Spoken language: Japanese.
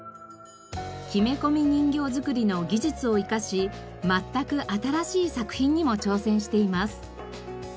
木目込人形作りの技術を生かし全く新しい作品にも挑戦しています。